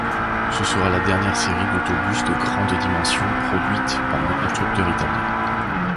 Ce sera la dernière série d'autobus de grandes dimensions produite par le constructeur italien.